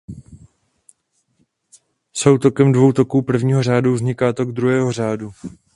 Soutokem dvou toků prvního řádu vzniká tok druhého řádu.